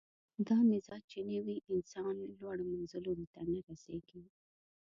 دا مزاج چې نه وي، انسان لوړو منزلونو ته نه رسېږي.